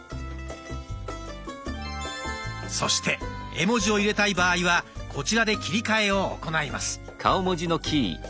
そして絵文字を入れたい場合はこちらで切り替えを行います。